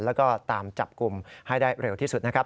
แล้วก็ตามจับกลุ่มให้ได้เร็วที่สุดนะครับ